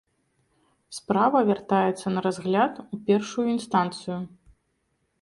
Справа вяртаецца на разгляд у першую інстанцыю.